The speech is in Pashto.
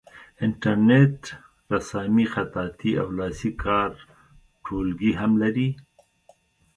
انټرنیټ رسامي خطاطي او لاسي کار ټولګي هم لري.